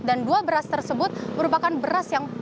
dan dua beras tersebut merupakan beras yang paling beras